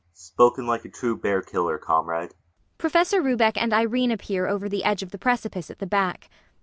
ULFHEIM. Spoken like a true bear killer, comrade! [PROFESSOR RUBEK and IRENE appear over the edge of the precipice at the back.